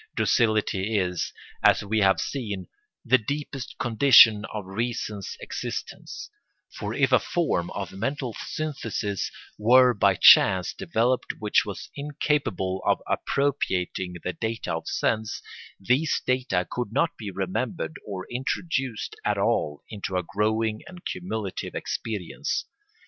Docility is, as we have seen, the deepest condition of reason's existence; for if a form of mental synthesis were by chance developed which was incapable of appropriating the data of sense, these data could not be remembered or introduced at all into a growing and cumulative experience.